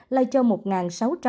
lai châu một sáu trăm bảy mươi một ca